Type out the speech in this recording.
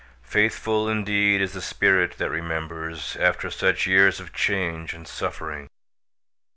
Faithful indeed is the spirit that remembers After such years of change and suffering!